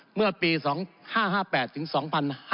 เมื่อปี๒๕๕๘ถึง๒๕๕๙